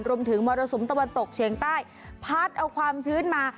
มรสุมตะวันตกเฉียงใต้พัดเอาความชื้นมา